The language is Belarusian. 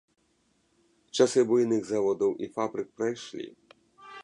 Часы буйных заводаў і фабрык прайшлі.